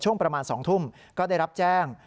ช่วงประมาณ๒ทุ่มก็ได้รับแจ้ง